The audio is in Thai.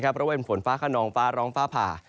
บริเวณฝนฟ้าขนองฟ้าร้องฟ้าผ่า